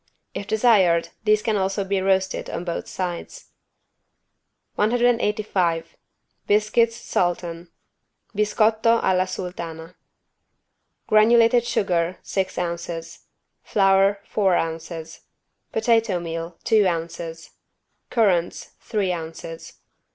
If desired these can also be roasted on both sides. 185 BISCUITS SULTAN (Biscotto alla sultana) Granulated sugar, six ounces. Flour, four ounces. Potato meal, two ounces. Currants, three ounces.